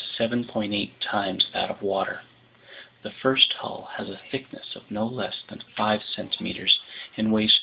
8 times that of water. The first hull has a thickness of no less than five centimeters and weighs 394.